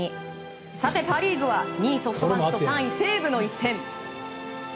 パ・リーグは２位、ソフトバンクと３位、西武の一戦。